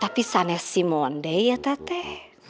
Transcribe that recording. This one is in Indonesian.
tapi sana simone deh ya teteh